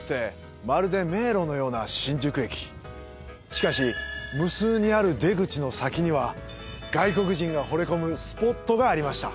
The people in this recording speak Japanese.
しかし無数にある出口の先には外国人が惚れ込むスポットがありました。